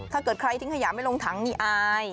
ถ้าเกิดใครทิ้งขยะไม่ลงถังนี่อาย